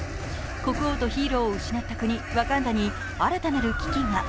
国王とヒーローを失った国、ワカンダに新たなる危機が。